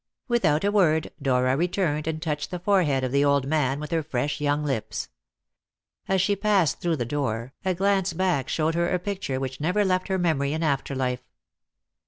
Without a word, Dora returned and touched the forehead of the old man with her fresh young lips. As she passed through the door, a glance back showed her a picture which never left her memory in afterlife.